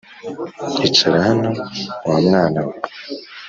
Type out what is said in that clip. Icara hano wa mwana we